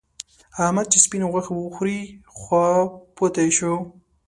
احمد چې سپينې غوښې وخوړې؛ خواپوتی شو.